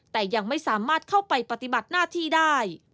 แต่ยังไม่สามารถเข้าไปปฏิบัติหน้าที่ได้